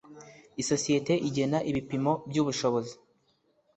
isosiyete igena ibipimo by ubushobozi